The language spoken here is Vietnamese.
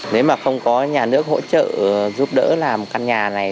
nếu mà không có nhà nước hỗ trợ giúp đỡ làm căn nhà này